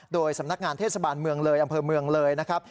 โดยสำนักงานเทศบาลเมืองเลยอำเภอเมืองเลยนะครับ